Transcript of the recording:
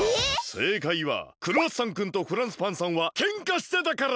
せいかいはクロワッサンくんとフランスパンさんはケンカしてたからさ！